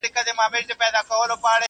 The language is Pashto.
نه زارۍ دي سي تر ځایه رسېدلای.!